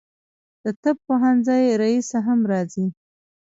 د طب پوهنځي رییسه هم راځي.